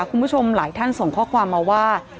คุณผู้ชมหลายท่านส่งข้อความมาว่า